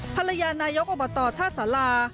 ภรรยานายกอบตท่าสารา